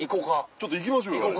ちょっと行きましょうよ。